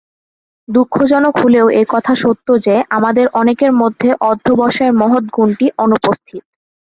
দুঃখজনক হলেও এ কথা সত্য যে, আমাদের অনেকের মধ্যে অধ্যবসায়ের মহৎ গুণটি অনুপস্থিত।